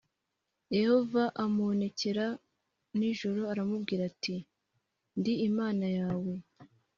Yehova amubonekera nijoro aramubwira ati ndi imana yawe